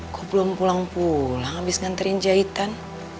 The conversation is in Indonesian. kok belum pulang pulang abis nganterin jahitan